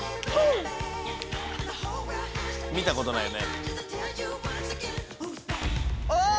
見たことないね。